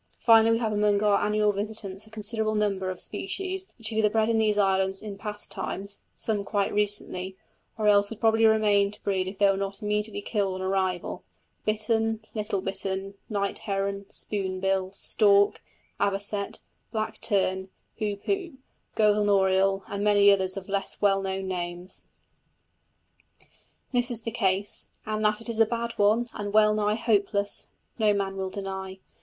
Finally, we have among our annual visitants a considerable number of species which have either bred in these islands in past times (some quite recently), or else would probably remain to breed if they were not immediately killed on arrival bittern, little bittern, night heron, spoonbill, stork, avocet, black tern, hoopoe, golden oriole, and many others of less well known names. This is the case, and that it is a bad one, and well nigh hopeless, no man will deny.